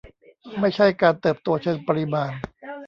ไม่ใช่การเติบโตเชิงปริมาณ